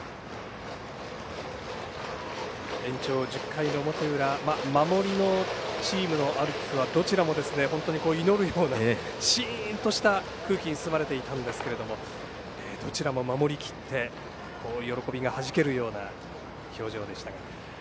延長１０回の表裏守りのチームのアルプスはどちらも本当に祈るようなしーんとした空気に包まれていたんですけどどちらも守りきって喜びがはじけるような表情でしたが。